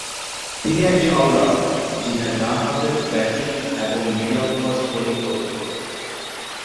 তিনি একজন অল-রাউন্ডার, যিনি ডানহাতে ব্যাটিং এবং মিডিয়াম ফাস্ট বোলিং করে থাকেন।